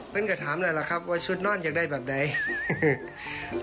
เพิ่งก็ถามอะไรล่ะครับว่าชุดนอนยังได้แบบไหน